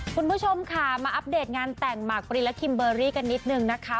คุณผู้ชมค่ะมาอัปเดตงานแต่งหมากปรินและคิมเบอร์รี่กันนิดนึงนะคะ